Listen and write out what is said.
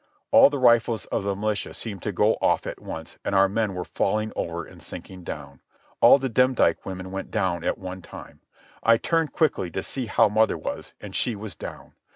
All the rifles of the militia seemed to go off at once, and our men were falling over and sinking down. All the Demdike women went down at one time. I turned quickly to see how mother was, and she was down.